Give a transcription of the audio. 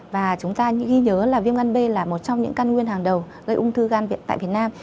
và chúng ta ghi nhớ là viêm gan b là một trong những căn nguyên hàng đầu gây ung thư gan viện tại việt nam